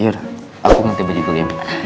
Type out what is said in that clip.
yaudah aku mau tiba juga ya mas